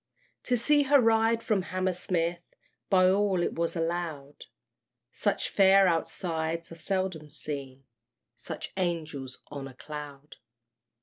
To see her ride from Hammersmith, By all it was allowed, Such fair outsides are seldom seen, Such Angels on a Cloud.